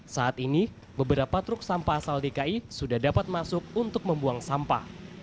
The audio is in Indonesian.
saat ini beberapa truk sampah asal dki sudah dapat masuk untuk membuang sampah